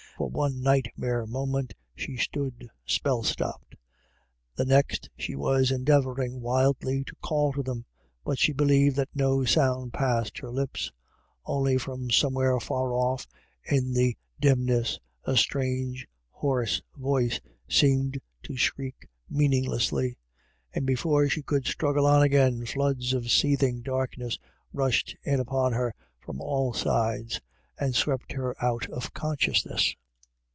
For one nightmare moment she stood spell stopped ; the next, she was endeavouring wildly to call to them, but she believed that no sound passed her lips. Only from somewhere far off in the dim THUNDER IN THE AIR. 187 ness a strange hoarse voice seemed to shriek mean inglessly. And before she could struggle on again, floods of seething darkness rushed in upon her from all sides, and swept her out of consciousness.